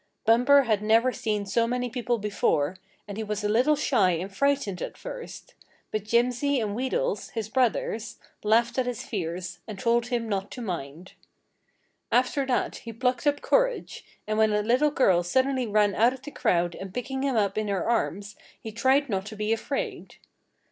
Bumper had never seen so many people before, and he was a little shy and frightened at first; but Jimsy and Wheedles, his brothers, laughed at his fears, and told him not to mind. After that he plucked up courage, and when a little girl suddenly ran out of the crowd and picked him up in her arms, he tried not to be afraid.